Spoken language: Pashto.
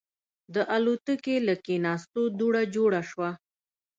د الوتکې له کېناستو دوړه جوړه شوه.